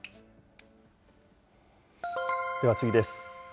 では次です。